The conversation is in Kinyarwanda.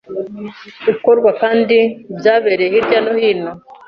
ikorwa kandi byabererye hirya no hino